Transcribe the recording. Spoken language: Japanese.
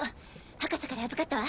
博士から預かったわ。